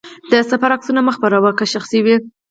د سفر عکسونه مه خپره وه، که شخصي وي.